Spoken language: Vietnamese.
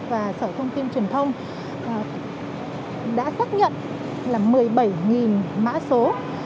và sở thông tin truyền thông đã xác nhận là một mươi bảy mã số